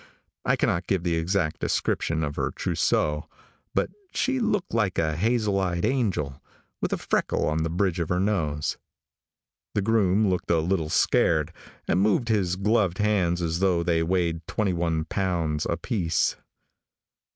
I cannot give the exact description of her trousseau, but she looked like a hazel eyed angel, with a freckle on the bridge of her nose. The groom looked a little scared, and moved his gloved hands as though they weighed twenty one pounds apiece.